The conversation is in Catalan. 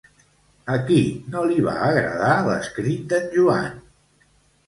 A qui no li va agradar l'escrit d'en Joan?